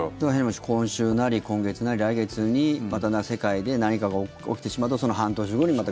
今週なり今月なり来月にまた世界で何かが起きてしまうとその半年後に、また。